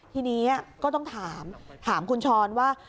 ทีนี้ก็ต้องถามถามคุณช้อนว่า